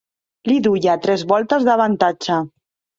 Li duia tres voltes d'avantatge.